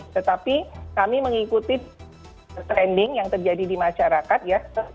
tetapi kami mengikuti trending yang terjadi di masyarakat ya